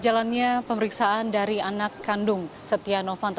jalannya pemeriksaan dari anak kandung setia novanto